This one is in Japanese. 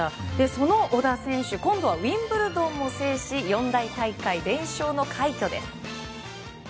その小田選手今度はウィンブルドンも制し四大大会連勝の快挙です。